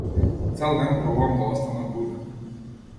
Цел ден пробувам да останам буден.